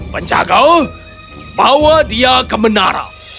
penjaga bawa dia ke menara